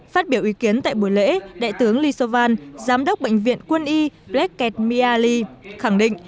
phát biểu ý kiến tại buổi lễ đại tướng lee sovan giám đốc bệnh viện quân y bredket mealea khẳng định